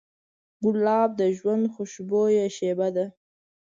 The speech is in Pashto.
ګلاب د ژوند خوشبویه شیبه ده.